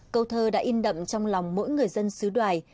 câu thơ đã in đậm trong lòng mỗi người dân xứ đoài